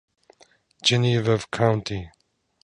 Genevieve County.